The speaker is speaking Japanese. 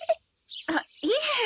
あっいえ。